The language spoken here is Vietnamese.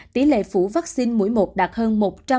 tỷ lệ phủ vaccine mũi một đạt hơn một trăm linh